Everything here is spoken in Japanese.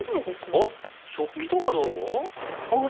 あっ食器とかどう？